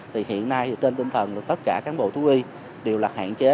thì hiện nay thì tên tinh thần là tất cả cán bộ thú uy đều là hạn chế